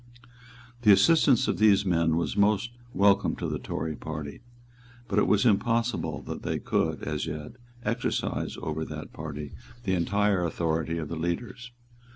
The assistance of these men was most welcome to the Tory party; but it was impossible that they could, as yet, exercise over that party the entire authority of leaders.